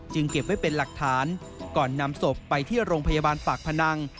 เก็บไว้เป็นหลักฐานก่อนนำศพไปที่โรงพยาบาลปากพนัง